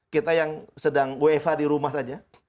kita yang sedang wfh di rumah saja